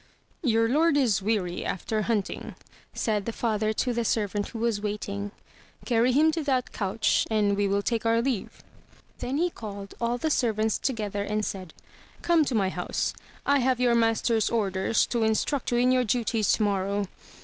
"Your lord is weary after hunting," said the father to the servant who was waiting. "Carry him to that couch; and we will take our leave.*' Then he called all the servants together and said, "Come to my house. I have your master's orders to instruct you in your duties tomorrow.'